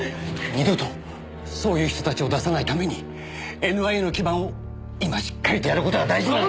二度とそういう人たちを出さないためにＮＩＡの基盤を今しっかりとやる事が大事なんだ。